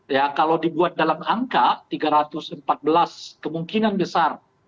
ya kalau dibuat dalam angka tiga ratus empat belas kemungkinan besar